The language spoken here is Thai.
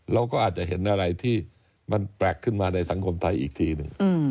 เราก็อาจจะเห็นอะไรที่มันแปลกขึ้นมาในสังคมไทยอีกทีหนึ่ง